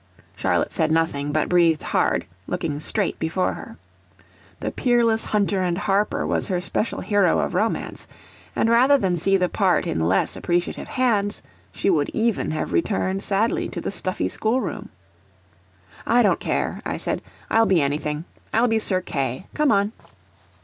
Charlotte said nothing, but breathed hard, looking straight before her. The peerless hunter and harper was her special hero of romance, and rather than see the part in less appreciative hands, she would even have returned sadly to the stuffy schoolroom. "I don't care," I said: "I'll be anything. I'll be Sir Kay. Come on!"